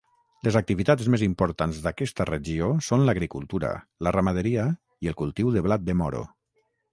Les activitats més importants d'aquesta regió són l'agricultura, la ramaderia i el cultiu de blat de moro.